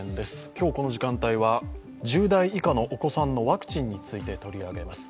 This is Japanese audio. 今日この時間帯は１０代以下のお子さんのワクチンについて取り上げます。